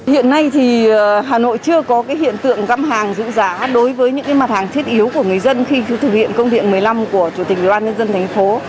hiện nay hà nội chưa có hiện tượng găm hàng dữ dã đối với những mặt hàng thiết yếu của người dân khi thực hiện công điện một mươi năm của ubnd tp